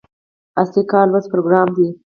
اصلي کار لوست پروګرام دی.